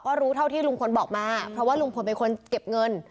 ก็รู้เท่าที่ลุงพลบอกมาเพราะว่าลุงพลเป็นคนเก็บเงิน